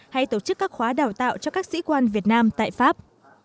hay tổ chức các khóa đào tạo cho các sĩ quan việt nam tại pháp